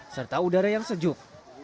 serta udara yang sejuk